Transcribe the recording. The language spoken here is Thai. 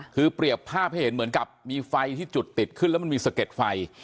คือเปรียบภาพให้เห็นเหมือนกับมีไฟที่จุดติดขึ้นแล้วมันมีสะเก็ดไฟ